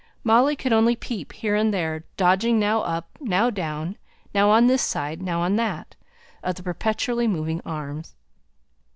Molly could only peep here and there, dodging now up, now down, now on this side, now on that, of the perpetually moving arms.